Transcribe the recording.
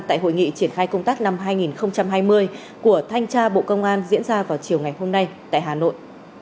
tại hội nghị triển khai công tác năm hai nghìn hai mươi của thanh tra bộ công an diễn ra vào chiều ngày hôm nay tại hà nội